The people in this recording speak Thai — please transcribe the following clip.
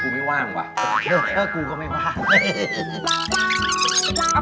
ห้อยังไม่ว่างก็ก็ไม่ว่าง